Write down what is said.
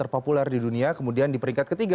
populer di dunia kemudian di peringkat ketiga